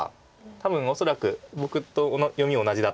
多分恐らく僕と読み同じだったです。